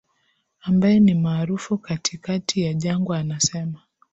ambaye ni maarufu katikati ya jangwa anasema